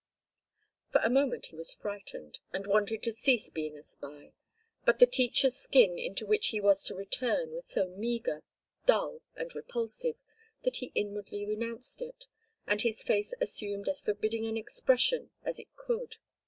For a moment he was frightened, and wanted to cease being a spy, but the teacher's skin into which he was to return was so meagre, dull, and repulsive that he inwardly renounced it, and his face assumed as forbidding an expression as it could.